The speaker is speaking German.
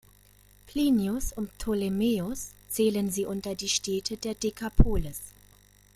Plinius und Ptolemäus zählen sie unter die Städte der Dekapolis.